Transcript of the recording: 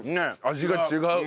味が違う。